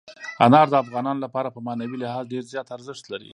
انار د افغانانو لپاره په معنوي لحاظ ډېر زیات ارزښت لري.